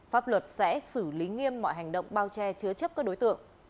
pháp luật sẽ xử lý nghiêm mọi hành động bao che chứa chấp các đối tượng